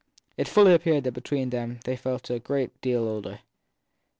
It fully appeared between them that they felt a great deal older.